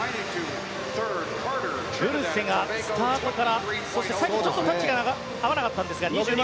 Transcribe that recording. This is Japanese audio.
グルセがスタートからそして最後、ちょっとタッチが合わなかったんですが。